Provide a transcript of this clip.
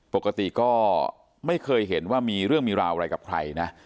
ปกติก็ไม่เคยเห็นว่ามีเรื่องมีราวอะไรกับใครนะ